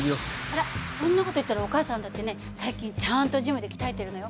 あらそんな事言ったらお母さんだってね最近ちゃんとジムで鍛えてるのよ。